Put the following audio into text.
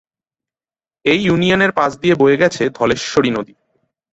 এই ইউনিয়নের পাশ দিয়ে বয়ে গেছে ধলেশ্বরী নদী।